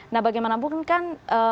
nah bagaimanapun kan